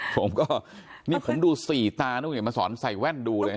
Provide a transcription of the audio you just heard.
ผมก็นี่ผมดูสี่ตานะคุณเห็นมาสอนใส่แว่นดูเลยนะ